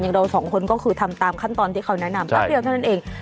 เราสองคนก็คือทำตามขั้นตอนที่เขาแนะนำแป๊บเดียวเท่านั้นเอง